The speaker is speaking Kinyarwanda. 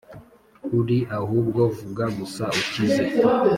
uri Ahubwo vuga gusa ukize